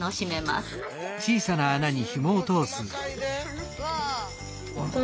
すごい。